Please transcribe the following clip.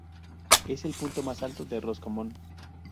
Es el punto más alto del Roscommon.